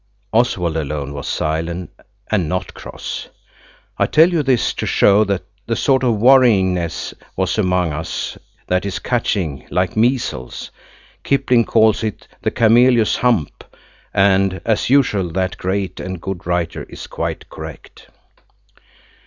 Oswald alone was silent and not cross. I tell you this to show that the sort of worryingness was among us that is catching, like measles. Kipling calls it the cameelious hump, and, as usual, that great and good writer is quite correct.